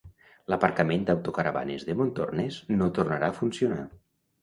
L'aparcament d'autocaravanes de Montornès no tornarà a funcionar.